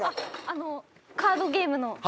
カードゲームの開封の。